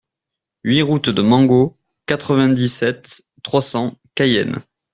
huit route de Mango, quatre-vingt-dix-sept, trois cents, Cayenne